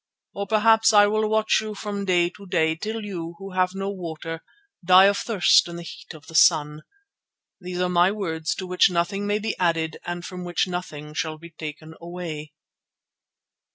Or perhaps I will watch you from day to day till you, who have no water, die of thirst in the heat of the sun. These are my words to which nothing may be added and from which nothing shall be taken away."